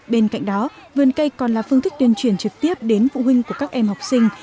bên cạnh đó vườn cây còn là phương thức tuyên truyền trực tiếp đến phụ huynh của các em học sinh